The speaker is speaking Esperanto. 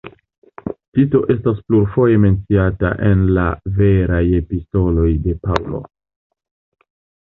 Tito estas plurfoje menciata en la veraj epistoloj de Paŭlo.